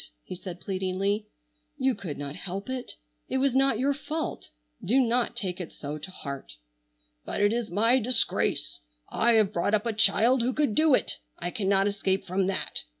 he said pleadingly. "You could not help it. It was not your fault. Do not take it so to heart!" "But it is my disgrace. I have brought up a child who could do it. I cannot escape from that.